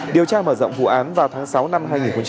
điều tra mở rộng vụ án vào tháng sáu năm hai nghìn một mươi tám